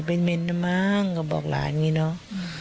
เป็นมินมั้งก็บอกหลานงี้เนาะ